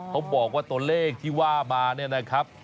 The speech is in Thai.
เขาบอกว่าตัวเลขที่ว่ามาเนี่ยนะครับ